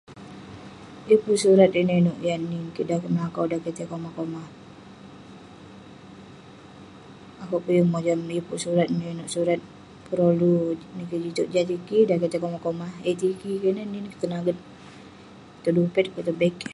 Yeng pun surat inouk inouk yah nin kik dan kik tai melakau dan kik tai komah komah. Akouk peh yeng mojam, yeng pun surat inouk inouk surat, surat perolu nin kik jin touk. jah tiki dan kik tai komah, eh tiki kik ineh nin kik, tanaget tong dupet tong beg kik.